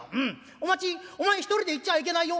『お待ちお前一人で行っちゃいけないよ。